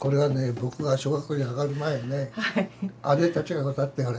僕が小学校に上がる前ね姉たちが歌ってあれ。